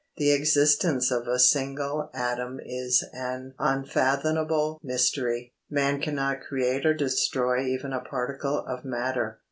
The existence of a single atom is an unfathomable mystery. Man cannot create or destroy even a particle of matter.